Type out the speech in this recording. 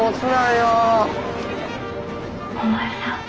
お前さん。